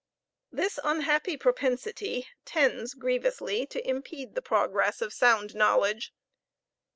This unhappy propensity tends grievously to impede the progress of sound knowledge.